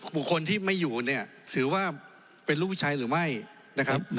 บุคคลที่ไม่อยู่เนี่ยถือว่าเป็นลูกผู้ชายหรือไม่นะครับ